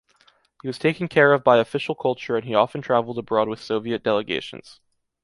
He was taken care of by official culture and he often travelled abroad with Soviet delegations.